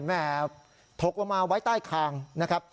แม่ถกลงมาไว้ใต้คางนะครับ